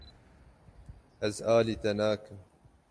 Ez alî te nakim.